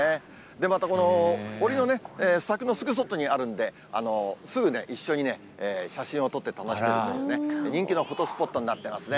また、このおりの、柵のすぐ外にあるんで、すぐ一緒に写真を撮って楽しめると、人気のフォトスポットになってますね。